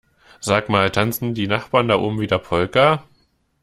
Sag mal tanzen die Nachbarn da oben wieder Polka?